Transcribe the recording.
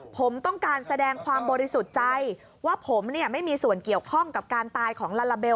ผมต้องการแสดงความบริสุทธิ์ใจว่าผมไม่มีส่วนเกี่ยวข้องกับการตายของลาลาเบล